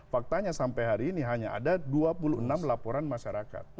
faktanya sampai hari ini hanya ada dua puluh enam laporan masyarakat